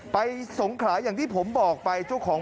ไปสงขราคอย่างที่ผมบอกไป